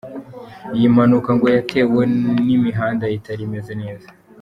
Iyi mpanuka ngo yatewe n’ imihanda itari imeze neza.